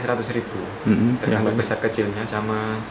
tergantung besar kecilnya sama